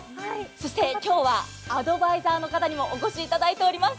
そして今日はアドバイザーの方にもお越しいただいています。